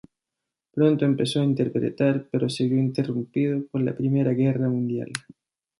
Pronto empezó a interpretar, pero se vio interrumpido por la Primera Guerra Mundial.